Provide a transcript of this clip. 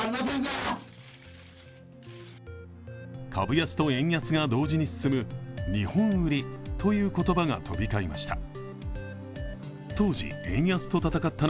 株安と円安が同時に進む日本売りという言葉が飛び交いました。